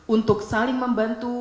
untuk saling membantu